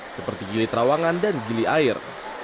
seperti gili trawangan dan gili air